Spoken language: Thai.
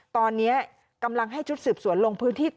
ตอนนี้กำลังให้ชุดสืบสวนลงพื้นที่